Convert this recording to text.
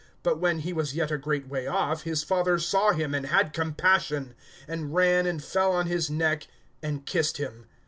But when he was yet a great way off, his father saw him and had compassion, and ran and fell on his neck, and kissed him.